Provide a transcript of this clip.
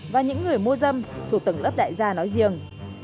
và những người mua dâm thuộc tầng lớp đại gia nói riêng